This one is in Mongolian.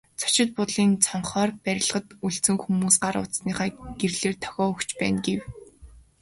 Зочид буудлын цонхоор барилгад үлдсэн хүмүүс гар утасныхаа гэрлээр дохио өгч байна гэв.